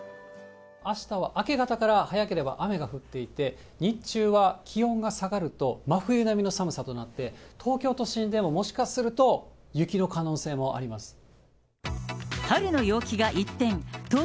あしたは明け方から、早ければ雨が降っていて、日中は気温が下がると、真冬並みの寒さとなって、東京都心でももしかすると、雪の可能性もあります。